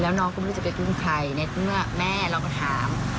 แล้วน้องก็ไม่รู้จะไปอุ้มใครในเมื่อแม่เราก็ถาม